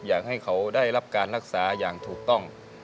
อยากให้เขาได้รับการรักษาอย่างถูกต้อง